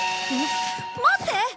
待って！